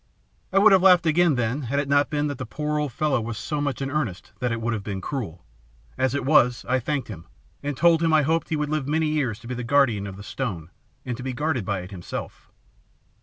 "I would have laughed again, then, had it not been that the poor old fellow was so much in earnest that it would have been cruel. As it was, I thanked him, and told him I hoped he would live many years to be the guardian of the stone, and to be guarded by it himself.